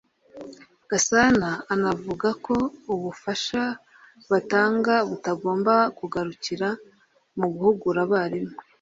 Gasana anavuga ko ubufasha batanga butagomba kugarukira mu guhugura abarimu